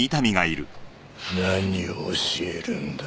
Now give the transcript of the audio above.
何を教えるんだ？